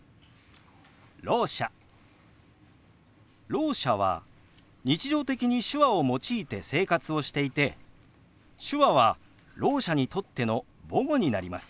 ろう者は日常的に手話を用いて生活をしていて手話はろう者にとっての母語になります。